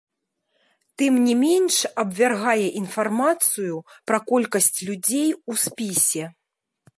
Тым не менш абвяргае інфармацыю пра колькасць людзей у спісе.